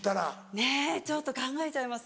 ねぇちょっと考えちゃいます